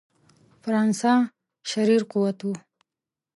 فرانسه شریر قوت وو.